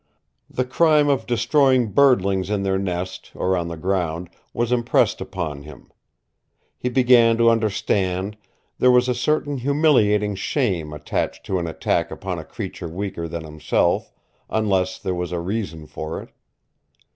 The crime of destroying birdlings in their nest, or on the ground, was impressed upon him. He began to understand there was a certain humiliating shame attached to an attack upon a creature weaker than himself, unless there was a reason for it.